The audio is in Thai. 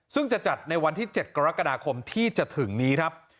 ซึ่งจะจัดในวันที่๗กรกฎาคมที่จะถึงนี้ครับ